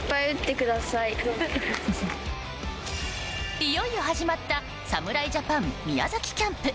いよいよ始まった侍ジャパン宮崎キャンプ。